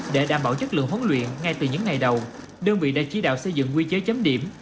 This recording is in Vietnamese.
để đảm bảo chất lượng huấn luyện ngay từ những ngày đầu đơn vị đã chỉ đạo xây dựng quy chế chấm điểm